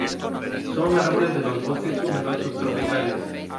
Son árboles de los bosques húmedos subtropicales.